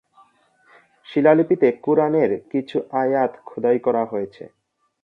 শিলালিপিতে কুরআনের কিছু আয়াত খোদাই করা হয়েছে।